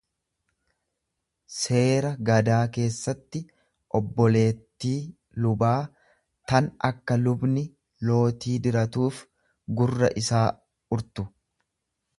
seera gadaa keessatti obboleettii lubaa tan akka lubni lootii diratuuf gurra isaa urtu.